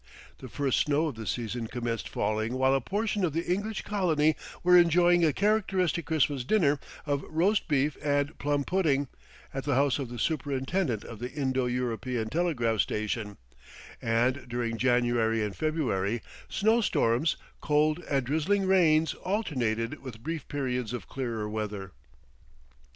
The first snow of the season commenced falling while a portion of the English colony were enjoying a characteristic Christmas dinner of roast beef and plum pudding, at the house of the superintendent of the Indo European Telegraph Station, and during January and February, snow storms, cold and drizzling rains alternated with brief periods of clearer weather.